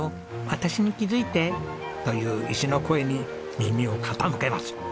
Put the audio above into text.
私に気づいて！という石の声に耳を傾けます。